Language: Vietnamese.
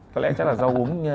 có lẽ chắc là do uống